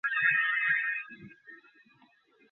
টপটপ করে তার তলোয়ার হতে রক্ত ঝরছে।